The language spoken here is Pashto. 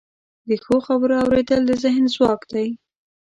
د ښو خبرو اوریدل د ذهن ځواک دی.